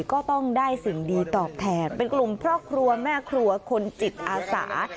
ก็ต้องได้สิ่งดีตอบแทนเป็นกลุ่มครอบครัวแม่ครัวคนจิตอาสา